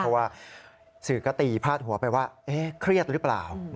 เพราะว่าสื่อก็ตีพาดหัวไปว่าเครียดหรือเปล่า